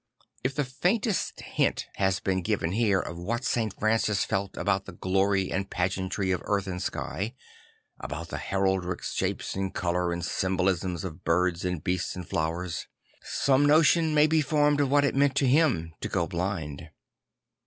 If the faintest hint has been given here of what St Francis felt about the glory and pageantry of earth and sky, about the heraldic shape and colour and symbolism of birds and beasts and flo\vers, some notion may be formed of what it meant to him to go blind.